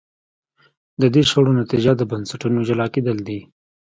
د دې شخړو نتیجه د بنسټونو جلا کېدل دي.